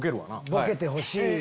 ボケてほしい。